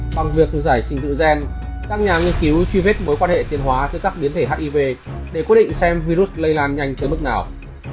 bằng việc giải trình tự gen các nhà nghiên cứu truy vết mối quan hệ tiền hóa giữa các biến thể hiv để quyết định xem virus lây lan nhanh tới mức nào